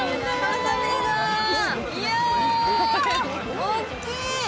大きい。